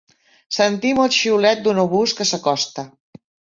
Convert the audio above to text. Sentim el xiulet d'un obús que s'acosta